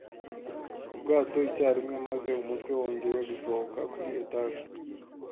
ubwato icyarimwe, maze umutwe wongeye gusohoka kuri etage.